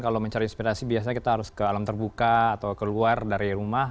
kalau mencari inspirasi biasanya kita harus ke alam terbuka atau keluar dari rumah